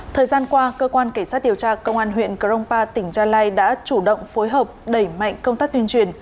thời gian qua cơ quan cảnh sát điều tra công an huyện krongpa tỉnh gia lai đã chủ động phối hợp đẩy mạnh công tác tuyên truyền